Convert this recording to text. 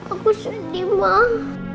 aku sedih mah